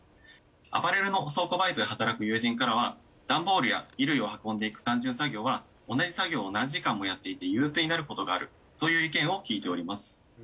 アパレルの倉庫バイトで働く友人からは段ボールや衣類を運んでいく単純作業は同じ作業を何時間もやっていて憂鬱になることがあるという意見を聞いております。